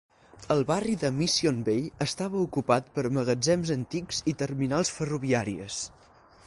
El barri de Mission Bay estava ocupat per magatzems antics i terminals ferroviàries.